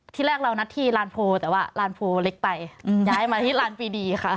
ที่แรกเรานัดที่ลานโพลแต่ว่าลานโพลเล็กไปย้ายมาที่ลานปีดีค่ะ